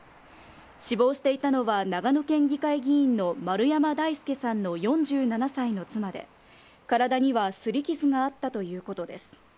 死亡していたのは長野県議会議員の丸山大輔さんの４７歳の妻で、体にはすり傷があったということです。